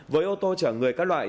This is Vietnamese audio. với ô tô chở người các loại